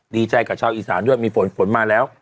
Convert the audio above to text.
ดีใจกับชาวอีสานด้วยมีฝนฝนมาแล้ว